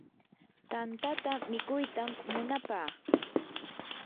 tantata mikuytam munapaa.